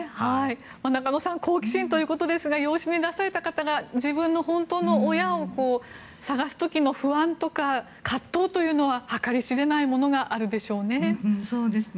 中野さん好奇心ということですが自分の本当の親を探すときの不安や葛藤というのは計り知れないものがあるでしょうね。